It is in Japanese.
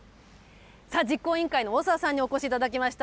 さあ、実行委員会の大澤さんにお越しいただきました。